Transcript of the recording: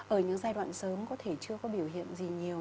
ở những giai đoạn sớm có thể chưa có biểu hiện gì nhiều